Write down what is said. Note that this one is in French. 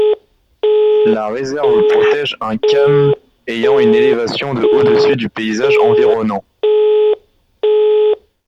La réserve protège un kame ayant une élévation de au-dessus du paysage environnant.